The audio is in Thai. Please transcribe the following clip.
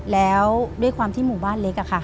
แล้วด้วยความที่หมู่บ้านเล็กอะค่ะ